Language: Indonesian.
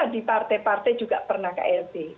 di partai partai juga pernah klb